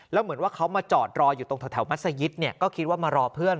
แล้วเหมือนว่าเขามาจอดรออยู่ตรงแถวมัศยิตก็คิดว่ามารอเพื่อน